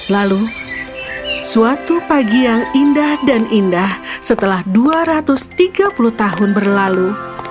lalu suatu pagi yang indah dan indah setelah dua ratus tiga puluh tahun berlalu